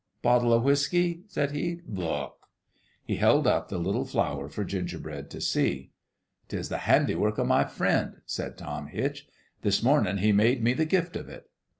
Bottle o' whiskey ?" said he. " Look 1 " He held up the little flower for Gingerbread to see. " 'Tis the handiwork o' my Friend," said Tom Hitch. " This mornin' He made me the gift of it.